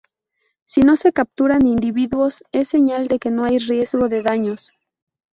Si no se capturan individuos, es señal de que no hay riesgo de daños.